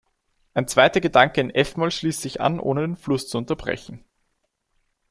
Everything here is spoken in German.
Ein zweiter Gedanke in f-Moll schließt sich an, ohne den Fluss zu unterbrechen.